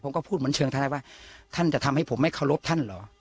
ผมก็พูดเหมือนเชิงทนายว่าท่านจะทำให้ผมไม่เคารพท่านเหรอ